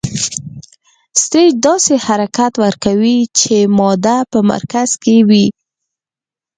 سټیج داسې حرکت ورکوو چې ماده په مرکز کې وي.